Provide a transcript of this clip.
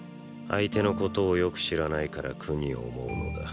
相手のことをよく知らないから苦に思うのだ。